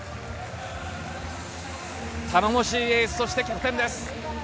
頼もしいエース、そしてキャプテンです。